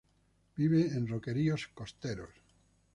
Vive en roqueríos costeros.